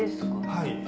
はい。